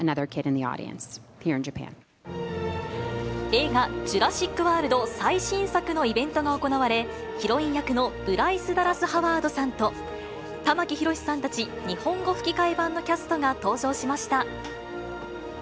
映画、ジュラシック・ワールド最新作のイベントが行われ、ヒロイン役のブライス・ダラス・ハワードさんと、玉木宏さんたち、日本語吹き替え版のキャストが登場しました。